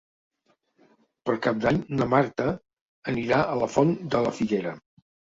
Per Cap d'Any na Marta anirà a la Font de la Figuera.